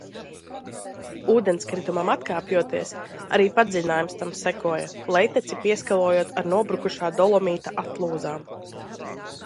Ūdenskritumam atkāpjoties, arī padziļinājums tam sekoja, lejteci pieskalojot ar nobrukušā dolomīta atlūzām.